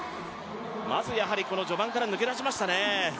まずこの序盤から抜け出しましたね。